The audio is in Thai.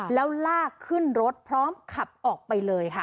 แล้วลากขึ้นรถพร้อมขับออกไปเลยค่ะ